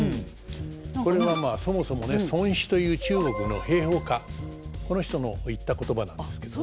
これはまあそもそもね孫子という中国の兵法家この人の言った言葉なんですけどね。